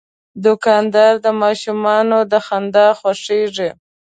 دوکاندار د ماشومانو د خندا خوښیږي.